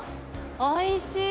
おいしい。